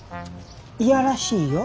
いやらしいよ。